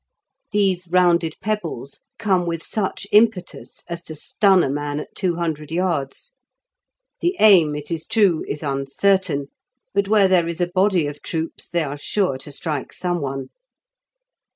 These rounded pebbles come with such impetus as to stun a man at two hundred yards. The aim, it is true, is uncertain, but where there is a body of troops they are sure to strike some one.